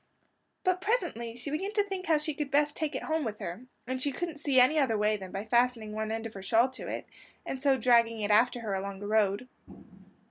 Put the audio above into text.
But presently she began to think how she could best take it home with her; and she couldn't see any other way than by fastening one end of her shawl to it, and so dragging it after her along the road.